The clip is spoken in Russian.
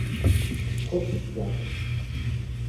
Хочешь сигарку?